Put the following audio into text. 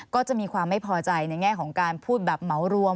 ก็จะมีความไม่พอใจในแง่ของการพูดแบบเหมารวม